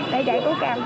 để giải cứu cam